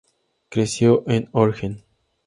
Creció en Horgen.